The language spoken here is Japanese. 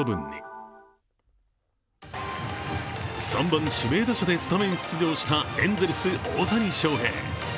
３番・指名打者でスタメン出場したエンゼルス・大谷翔平。